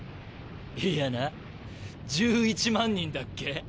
いやな１１万人だっけ？